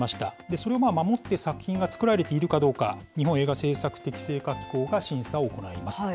それを守って作品が作られているかどうか、日本映画制作適正化機構が審査を行います。